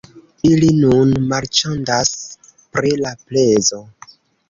Ili nun marĉandas pri la prezo